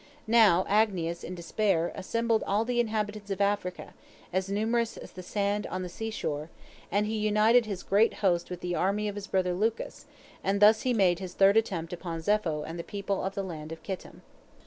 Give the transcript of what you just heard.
Now Agnias, in despair, assembled all the inhabitants of Africa, as numerous as the sand on the sea shore, and he united his great host with the army of his brother Lucus, and thus he made his third attempt upon Zepho and the people of the land of Kittim.